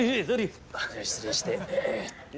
失礼して。